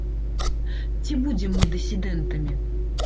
Ці будзем мы дысідэнтамі?